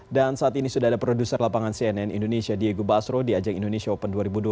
dan saat ini sudah ada produser lapangan cnn indonesia diego basro di ajang indonesia open dua ribu dua puluh dua